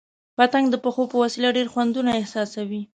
پتنګ د پښو په وسیله ډېر خوندونه احساسوي.